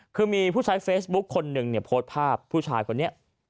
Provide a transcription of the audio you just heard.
คือมีผู้ใช้เฟซบุ๊คคนหนึ่งเนี่ยโพสต์ภาพผู้ชายคนนี้